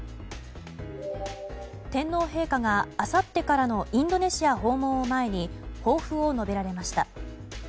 天皇陛下があさってからのインドネシア訪問を前に抱負を述べられました。